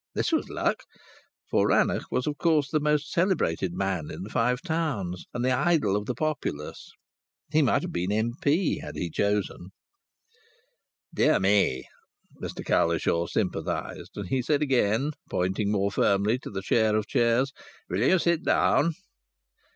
This was luck! For Rannoch was, of course, the most celebrated man in the Five Towns, and the idol of the populace. He might have been M.P. had he chosen. "Dear me!" Mr Cowlishaw sympathized, and he said again, pointing more firmly to the chair of chairs, "Will you sit down?"